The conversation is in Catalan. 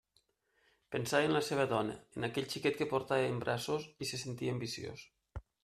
Pensava en la seua dona, en aquell xiquet que portava en braços, i se sentia ambiciós.